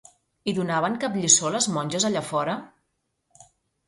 Hi donaven cap lliçó les monges allà fora?